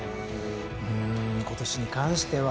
うん今年に関しては。